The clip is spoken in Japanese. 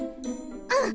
うん！